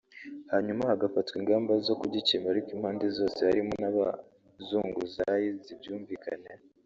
hanyuma hagafatwa ingamba zo kugikemura ariko impande zose (harimo n’abazunguzayi) zibyumvikanyeho